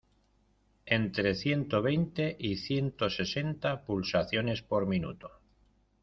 entre ciento veinte y ciento sesenta pulsaciones por minuto.